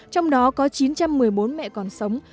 trong đó có chín trăm một mươi bốn mẹ còn sống